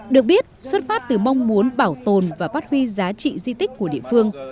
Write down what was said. được biết xuất phát từ mong muốn bảo tồn và phát huy giá trị di tích của địa phương